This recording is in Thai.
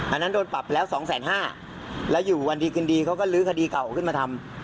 อันนั้นโดนปรับแล้วสองแสนห้าแล้วอยู่วันดีคืนดีเขาก็ลื้อคดีเก่าขึ้นมาทำ